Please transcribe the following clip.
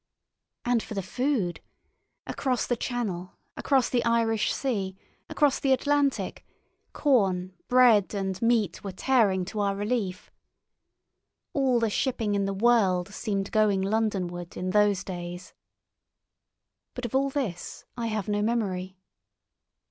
And for the food! Across the Channel, across the Irish Sea, across the Atlantic, corn, bread, and meat were tearing to our relief. All the shipping in the world seemed going Londonward in those days. But of all this I have no memory.